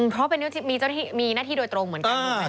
เพราะมีหน้าที่โดยตรงเหมือนกัน